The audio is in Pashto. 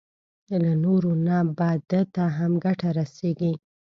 له نورو نه به ده ته هم ګټه رسېږي.